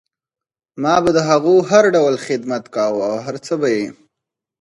ما به د هغو هر ډول خدمت کوه او هر څه به یې